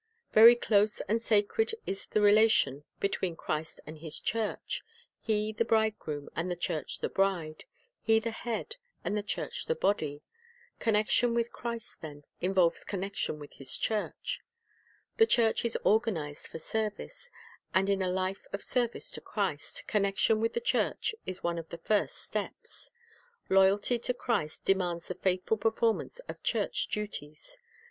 Very close and sacred is the relation between Christ and His church, — He the bridegroom, and the church the bride; He the head, and the church the body. Connection with Christ, then, involves connection with His church. The church is organized for service; and in a life of service to Christ, connection with the church is ne of •Luk< Church Relationship The Life Work 269 the first steps. Loyalty to Christ demands the faithful performance of church duties.